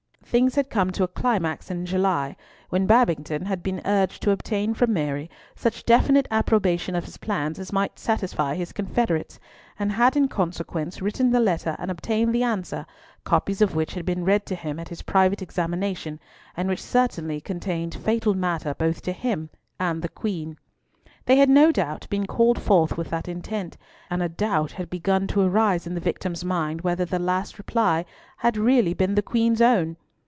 Things had come to a climax in July, when Babington had been urged to obtain from Mary such definite approbation of his plans as might satisfy his confederates, and had in consequence written the letter and obtained the answer, copies of which had been read to him at his private examination, and which certainly contained fatal matter to both him and the Queen. They had no doubt been called forth with that intent, and a doubt had begun to arise in the victim's mind whether the last reply had been really the Queen's own.